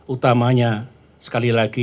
utamanya sekali lagi